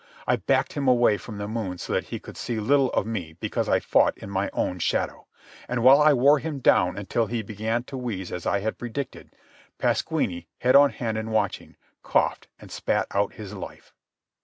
I backed him away from the moon so that he could see little of me because I fought in my own shadow. And while I wore him down until he began to wheeze as I had predicted, Pasquini, head on hand and watching, coughed and spat out his life.